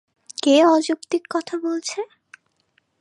কে অযৌক্তিক কথা বলছে?